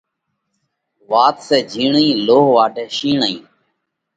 واتون سئہ جھِيڻي، لو واڍئہ شيڻي!